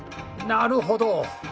なるほど。